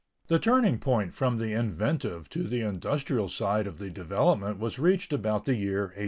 The turning point from the inventive to the industrial side of the development was reached about the year 1800.